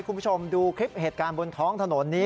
คุณผู้ชมดูคลิปเหตุการณ์บนท้องถนนนี้